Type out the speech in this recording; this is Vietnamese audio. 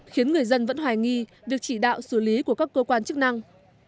khiến người dân vẫn hoài nghi việc chỉ đạo xử lý của các cơ quan chức năng